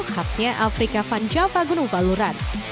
khasnya afrika vanjava gunung baluran